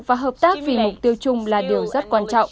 và hợp tác vì mục tiêu chung là điều rất quan trọng